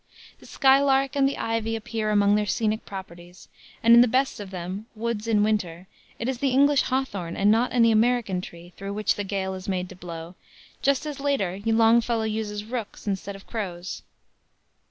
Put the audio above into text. The skylark and the ivy appear among their scenic properties, and in the best of them, Woods in Winter, it is the English "hawthorn" and not any American tree, through which the gale is made to blow, just as later Longfellow uses "rooks" instead of crows.